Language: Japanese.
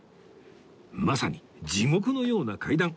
まさに地獄のような階段